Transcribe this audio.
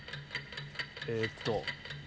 えーっと。